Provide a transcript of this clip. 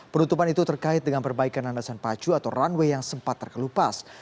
penutupan itu terkait dengan perbaikan landasan pacu atau runway yang sempat terkelupas